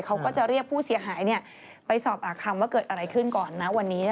เขาก็จะเรียกผู้เสียหายไปสอบปากคำว่าเกิดอะไรขึ้นก่อนนะวันนี้